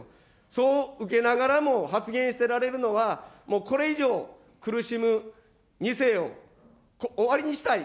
そう受けながらも発言してられるのは、もうこれ以上、苦しむ２世を終わりにしたい。